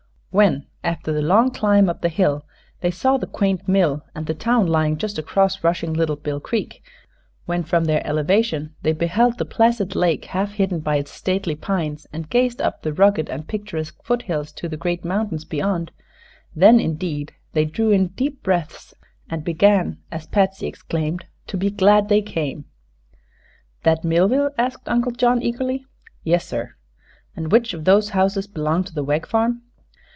When, after the long climb up the hill, they saw the quaint mill and the town lying just across rushing Little Bill Creek; when from their elevation they beheld the placid lake half hidden by its stately pines and gazed up the rugged and picturesque foot hills to the great mountains beyond, then indeed they drew in deep breaths and began, as Patsy exclaimed, to be "glad they came." "That Millville?" asked Uncle John, eagerly. "Yes, sir." "And which of those houses belongs to the Wegg farm?"